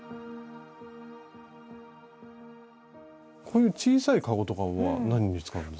こういう小さいカゴとかは何に使うんです？